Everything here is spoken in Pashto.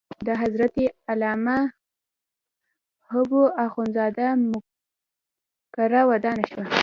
د حضرت علامه حبو اخند زاده مقبره ودانه شوه.